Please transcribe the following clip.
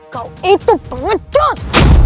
kau itu pengecut